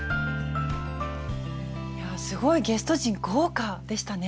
いやすごいゲスト陣豪華でしたね。